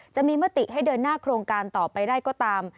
จะมีมติให้เดินหน้าโครงการต่อไปได้ก็ตาม